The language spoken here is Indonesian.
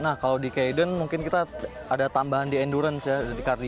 nah kalau di kadon mungkin kita ada tambahan di endurance ya